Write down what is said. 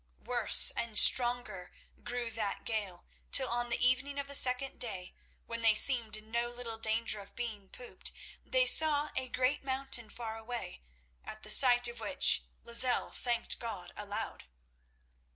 Worse and stronger grew that gale, till on the evening of the second day, when they seemed in no little danger of being pooped, they saw a great mountain far away, at the sight of which Lozelle thanked God aloud.